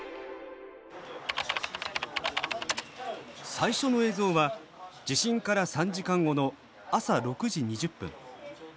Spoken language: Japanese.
最初の映像は地震から３時間後の朝６時２０分。